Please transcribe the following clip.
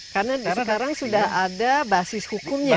karena sekarang sudah ada basis hukumnya